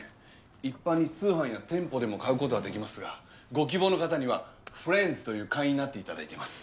一般に通販や店舗でも買うことはできますがご希望の方にはフレンズという会員になっていただいています。